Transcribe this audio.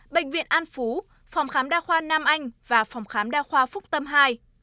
bệnh viện an phú phòng khám đa khoa nam anh và phòng khám đa khoa phúc tâm hai